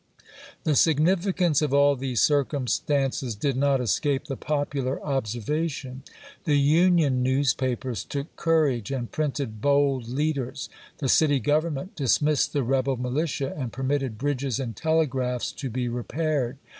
The significance of all these circumstances did not escape the popular observation. The Union news papers took courage and printed bold leaders ; the city government dismissed the rebel militia and permitted bridges and telegraphs to be repaired.